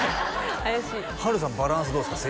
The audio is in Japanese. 怪しい波瑠さんバランスどうですか？